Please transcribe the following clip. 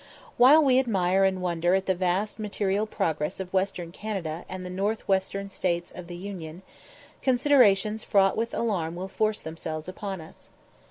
While we admire and wonder at the vast material progress of Western Canada and the North western States of the Union, considerations fraught with alarm will force themselves upon us.